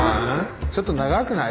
ちょっと長くない？